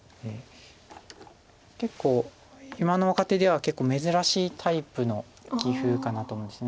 今の若手では結構珍しいタイプの棋風かなと思うんです。